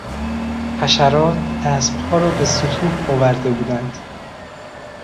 حشرات اسبها را به ستوه آورده بودند.